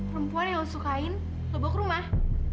perempuan yang lo sukain lo bawa ke rumah